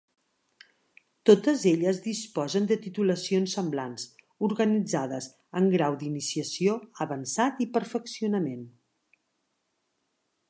Totes elles disposen de titulacions semblants, organitzades en grau d'iniciació, avançat i perfeccionament.